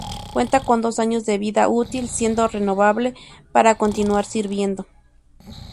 Cuenta con dos años de vida útil, siendo renovable para continuar sirviendo.